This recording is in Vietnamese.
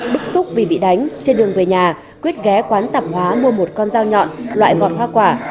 đức xúc vì bị đánh trên đường về nhà quyết ghé quán tạm hóa mua một con dao nhọn loại gọt hoa quả